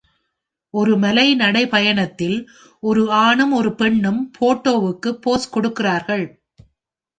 ஒரு மலை நடைப்பயணத்தில் ஒரு ஆணும் ஒரு பெண்ணும் போட்டோவுக்கு போஸ் கொடுக்கிறார்கள்.